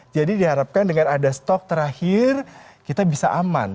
jadi diharapkan dengan ada stok terakhir kita bisa aman